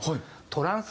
トランス。